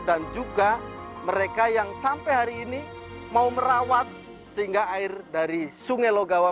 dan juga mereka yang sampai hari ini mau merawat sehingga air dari sungai logawa